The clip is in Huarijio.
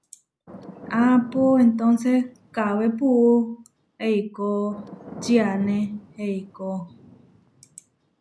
Aá, pó entónses kawé puú eikó, čiáne eikó.